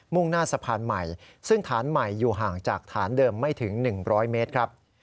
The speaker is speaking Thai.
่งหน้าสะพานใหม่ซึ่งฐานใหม่อยู่ห่างจากฐานเดิมไม่ถึง๑๐๐เมตรครับ